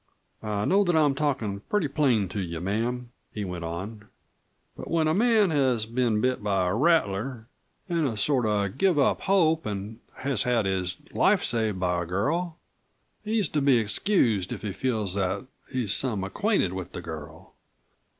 "I know that I'm talkin' pretty plain to you, ma'am," he went on. "But when a man has been bit by a rattler an' has sort of give up hope an' has had his life saved by a girl, he's to be excused if he feels that he's some acquainted with the girl.